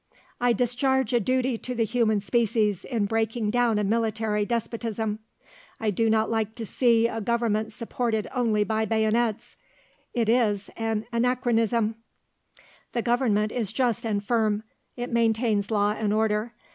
"I discharge a duty to the human species in breaking down a military despotism. I do not like to see a Government supported only by bayonets; it is an anachronism." "The Government is just and firm; it maintains law and order.